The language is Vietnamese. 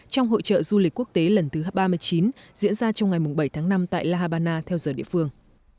trong hội trợ du lịch quốc tế lần thứ ba mươi chín diễn ra trong ngày bảy tháng năm tại la habana theo giờ địa phương